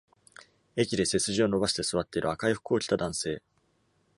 駅で背筋を伸ばして座っている赤い服を着た男性。